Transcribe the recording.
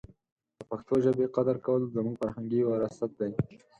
د پښتو ژبې قدر کول زموږ فرهنګي وراثت دی.